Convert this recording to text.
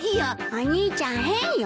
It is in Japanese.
お兄ちゃん変よ。